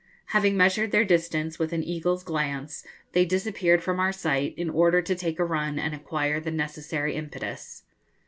Having measured their distance with an eagle's glance, they disappeared from our sight, in order to take a run and acquire the necessary impetus.